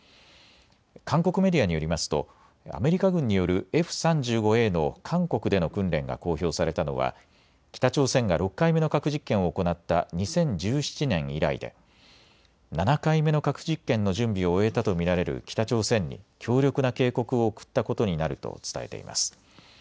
韓国メディアによりますとアメリカ軍によるＦ３５Ａの韓国での訓練が公表されたのは北朝鮮が６回目の核実験を行った２０１７年以来で７回目の核実験の準備を終えたと見られる北朝鮮に強力な警告を送ったことになると伝えています。